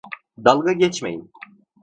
Dalga geçmeyin.